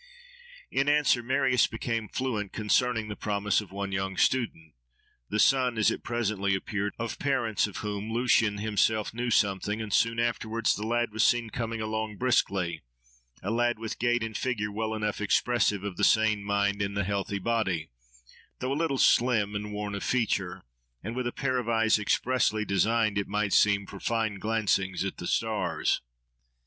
In answer, Marius became fluent concerning the promise of one young student, the son, as it presently appeared, of parents of whom Lucian himself knew something: and soon afterwards the lad was seen coming along briskly—a lad with gait and figure well enough expressive of the sane mind in the healthy body, though a little slim and worn of feature, and with a pair of eyes expressly designed, it might seem, for fine glancings at the stars.